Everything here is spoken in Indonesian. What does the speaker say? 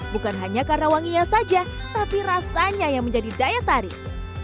bukan hanya karena wanginya saja tapi rasanya yang menjadi daya tarik